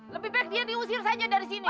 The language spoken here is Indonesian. lebih baik dia diusir saja dari sini